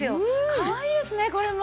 かわいいですねこれも。